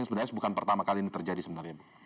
sebenarnya bukan pertama kali ini terjadi sebenarnya bu